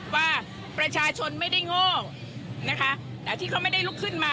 ว่าประชาชนไม่ได้โง่นะคะแต่ที่เขาไม่ได้ลุกขึ้นมา